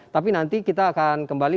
tapi nanti kita akan kembali